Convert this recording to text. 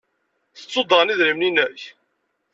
Tettuḍ daɣen idrimen-nnek.